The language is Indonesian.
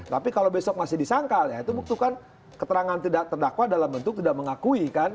tapi kalau besok masih disangkal ya itu buktikan keterangan tidak terdakwa dalam bentuk tidak mengakui kan